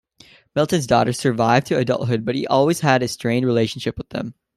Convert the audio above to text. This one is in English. Milton's daughters survived to adulthood, but he always had a strained relationship with them.